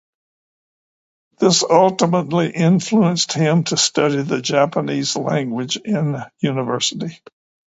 This ultimately influenced him to study the Japanese language in university.